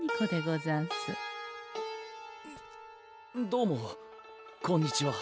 どうもこんにちは。